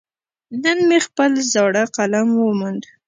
نن مې خپل زاړه قلم وموند.